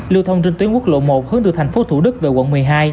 lưu thông trên tuyến quốc lộ một hướng từ thành phố thủ đức về quận một mươi hai